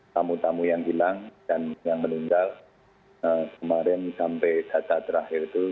tamu tamu yang hilang dan yang meninggal kemarin sampai data terakhir itu